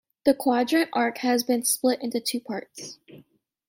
The quadrant arc has been split into two parts.